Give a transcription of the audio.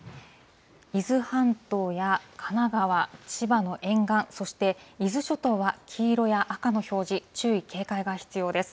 伊豆半島や神奈川、千葉の沿岸、そして伊豆諸島は黄色や赤の表示、注意、警戒が必要です。